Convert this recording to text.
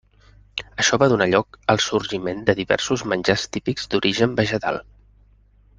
Això va donar lloc al sorgiment de diversos menjars típics d'origen vegetal.